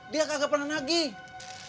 dia kagak pernah nagih